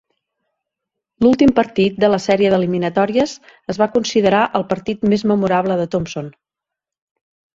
L'últim partit de la sèrie d'eliminatòries es va considerar el partit més memorable de Thompson.